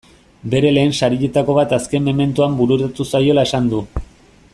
Bere lehen sarietako bat azken mementoan bururatu zaiola esan du.